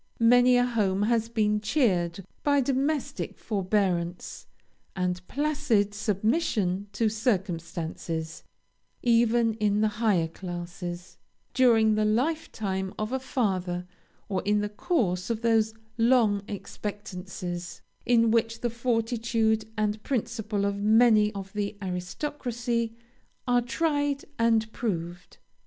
Many a home has been cheered by domestic forbearance, and placid submission to circumstances, even in the higher classes, during the life time of a father, or in the course of those long expectancies, in which the fortitude and principle of many of the aristocracy are tried and proved.